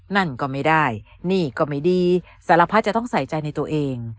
นั่นก็ไม่ได้หนี้ก็ไม่ดีสารพัดจะต้องใส่ใจในตัวเอง